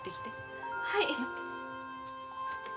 はい。